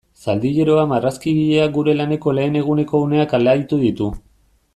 Zaldieroa marrazkigileak gure laneko lehen eguneko uneak alaitu ditu.